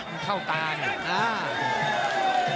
มันเข้าตาเนี่ย